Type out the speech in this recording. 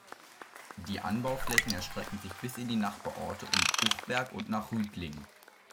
Die Anbauflächen erstrecken sich bis in die Nachbarorte um Buchberg und nach Rüdlingen.